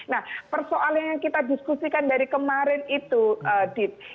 nah persoalan yang kita diskusikan dari kemarin itu dit